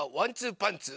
パンツー！」